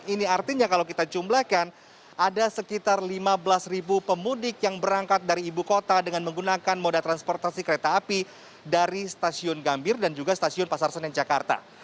ini artinya kalau kita jumlahkan ada sekitar lima belas pemudik yang berangkat dari ibu kota dengan menggunakan moda transportasi kereta api dari stasiun gambir dan juga stasiun pasar senen jakarta